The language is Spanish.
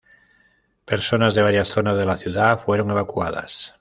Personas de varias zonas de la ciudad fueron evacuadas.